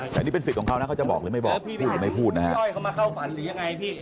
แต่นี่เป็นสิทธิ์ของเขานะเขาจะบอกหรือไม่บอกพูดหรือไม่พูดนะครับ